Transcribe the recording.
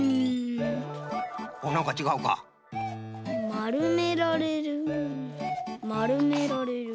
まるめられるまるめられる。